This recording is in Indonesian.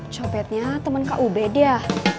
copetnya temen kak ubed ya